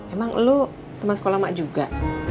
emang lo teman sekolah mak juga